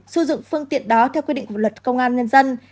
sử dụng phương tiện đó theo quy định của luật công an nhân dân